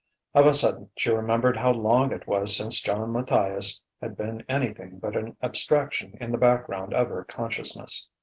Of a sudden she remembered how long it was since John Matthias had been anything but an abstraction in the background of her consciousness.